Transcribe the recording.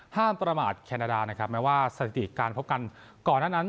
ห้ามประมาทแคนดานะครับไม่ว่าเศรษฐการณ์พบกันก่อนทั้งนั้น